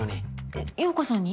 えっ洋子さんに？